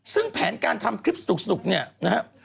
ซึ่งแผนการทำคลิปสนุกเนี่ยนะครับ